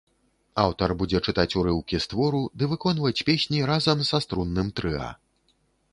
Аўтар будзе чытаць урыўкі з твору ды выконваць песні разам са струнным трыа.